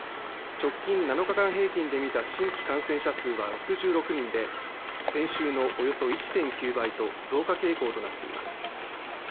直近７日間平均でみた新規感染者数は６６人で先週のおよそ１．９倍と増加傾向になっています。